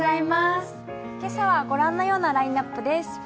今朝は御覧のようなラインナップです。